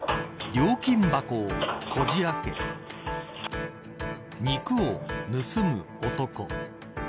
料金箱をこじ開け肉を盗む男。